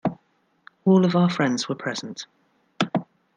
All of our friends were present.